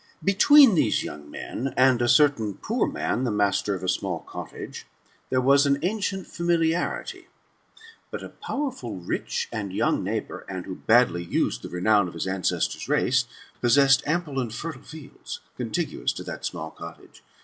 Between these young men, and a certain poor man, 4he master of a small cottage, there was an ancient familiarity. But a powerful, rich, and* young neighbour, and who badly used the renown of his ancestors' race, possessed ample and fertile fields, contiguous to that small cottage.